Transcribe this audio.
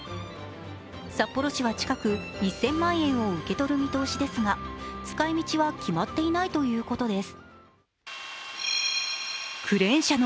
札幌市は近く、１０００万円を受け取る見通しですが使い道は決まっていないということです。